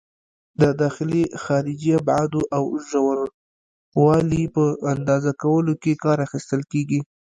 د داخلي، خارجي ابعادو او د ژوروالي په اندازه کولو کې کار اخیستل کېږي.